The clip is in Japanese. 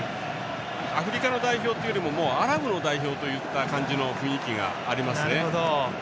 アフリカの代表というよりアラブの代表という雰囲気がありますね。